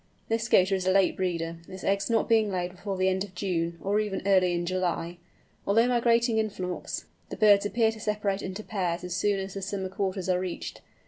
This Scoter is a late breeder, its eggs not being laid before the end of June, or even early in July. Although migrating in flocks, the birds appear to separate into pairs as soon as the summer quarters are reached.